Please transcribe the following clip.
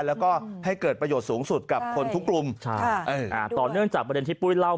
แล้วก็ให้เกิดประโยชน์สูงสุดกับคนทุกกลุ่มต่อเนื่องจากประเด็นที่ปุ้ยเล่า